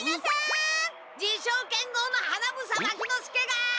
自称剣豪の花房牧之介が！